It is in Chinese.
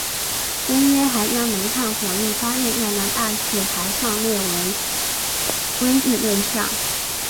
公约还将煤炭火力发电站的大气排放列为规制对象。